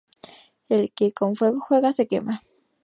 El que con fuego juega, se quema